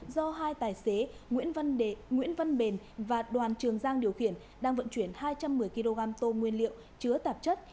do hai tài xế nguyễn văn bền và đoàn trường giang điều khiển đang vận chuyển hai trăm một mươi kg tô nguyên liệu chứa tạp chất